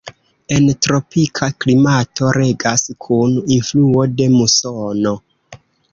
En tropika klimato regas kun influo de musono.